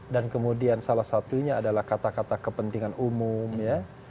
dan kemudian salah satunya adalah kata kata kepentingan umum ya